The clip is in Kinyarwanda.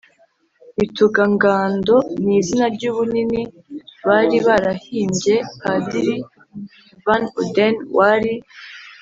Bitungangando: ni izina ry'ubunini bari barahimbye Padri Van Uden. wari